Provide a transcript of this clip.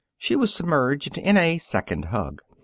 She was submerged in a second hug.